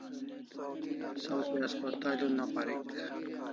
Saw thi haspatal una parik